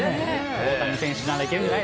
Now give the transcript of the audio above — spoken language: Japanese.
大谷選手ならいけるんじゃな